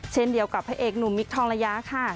เช่นเดียวกับพระเอกหนุ่มมิคทองระยะค่ะ